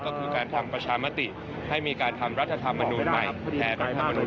ก็คือการทำประชาภาษณ์นี่ให้มีการทำรัฐธรรมนูนใหม่